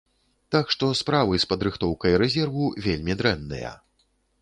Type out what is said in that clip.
Так што справы з падрыхтоўкай рэзерву вельмі дрэнныя.